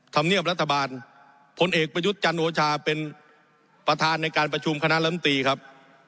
ธรรมเนียบรัฐบาลผลเอกประยุทธ์จันโอชาเป็นประธานในการประชุมคณะลำตีครับ